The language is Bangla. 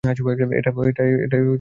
এটায় কাজ হচ্ছে।